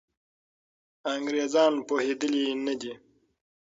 انګریزان پوهېدلي نه دي.